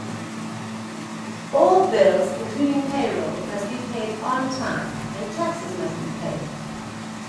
All bills, including payroll, must be paid on time, and taxes must be paid.